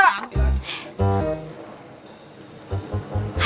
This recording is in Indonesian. mbak mau bunga nih mbak